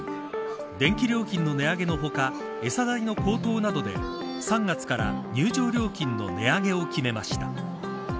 電気料金の値上げの他餌代の高騰などで３月から入場料金の値上げを決めました。